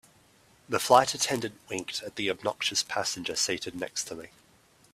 The flight attendant winked at the obnoxious passenger seated next to me.